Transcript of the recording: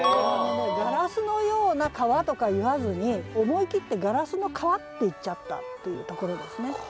「ガラスのような川」とか言わずに思い切って「ガラスの川」って言っちゃったっていうところですね。